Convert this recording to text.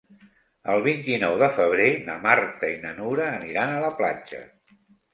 El vint-i-nou de febrer na Marta i na Nura aniran a la platja.